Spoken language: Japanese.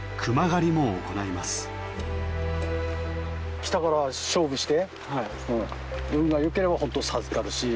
来たから勝負して運がよければ本当授かるし。